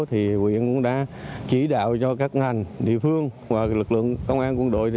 thì huyện cũng đã chỉ đạo cho các ngành địa phương và lực lượng công an quân đội